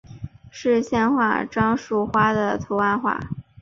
是县花樟树花的图案化。